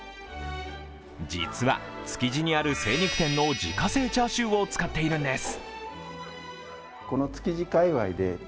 実は築地にある精肉店の自家製チャーシューを使っているんです。